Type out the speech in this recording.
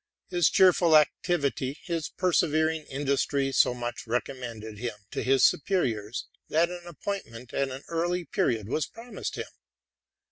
His cheerful activity, his persey ering indus try, so much recommended him to his superiors, that an ap pointment at an early period was promised him.